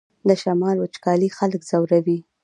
د شمال وچکالي خلک ځوروي